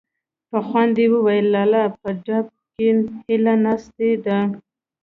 په خوند يې وويل: لالا! په ډب کې هيلۍ ناستې دي.